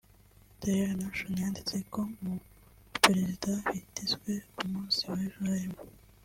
Daily nation yanditse ko mu baperezida bitezwe ku munsi w’ejo harimo